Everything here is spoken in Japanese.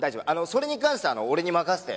それに関しては俺に任せて。